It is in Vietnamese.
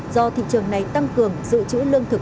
do thị trường này tăng cường dự trữ lương thực